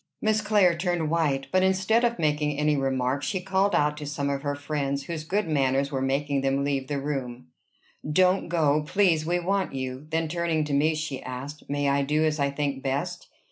Miss Clare turned white; but, instead of making any remark, she called out to some of her friends whose good manners were making them leave the room, "Don't go, please; we want you." Then turning to me, she asked, "May I do as I think best?"